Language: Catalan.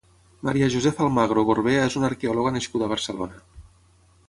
María Josefa Almagro Gorbea és una arqueòloga nascuda a Barcelona.